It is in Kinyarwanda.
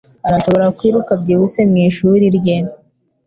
Arashobora kwiruka byihuse mwishuri rye.